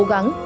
rất cố gắng